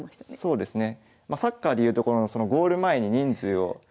そうですね。